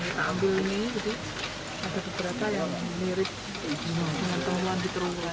kita ambil ini jadi ada beberapa yang mirip dengan temuan di terowongan